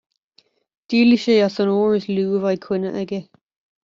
Díolfaidh sé as an uair is lú a bheidh coinne aige